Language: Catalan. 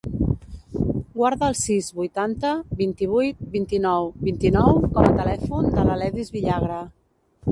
Guarda el sis, vuitanta, vint-i-vuit, vint-i-nou, vint-i-nou com a telèfon de l'Aledis Villagra.